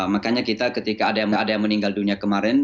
makanya kita ketika ada yang meninggal dunia kemarin